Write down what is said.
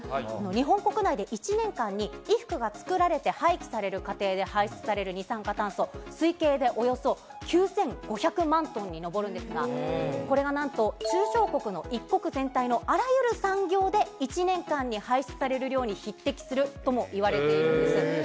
日本国内で１年間に衣服が作られて廃棄される過程で排出される二酸化炭素、推計でおよそ９５００万トンに上るんですが、これがなんと、中小国の一国全体のあらゆる産業で、１年間に排出される量に匹敵するともいわれているんです。